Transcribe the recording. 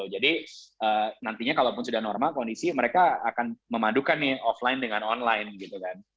jadi nantinya kalau sudah normal kondisi mereka akan memadukan offline dengan online